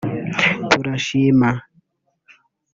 ‘Turashima’